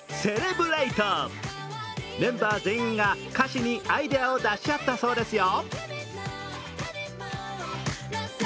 メンバー全員が歌詞にアイデアを出し合ったそうですよ。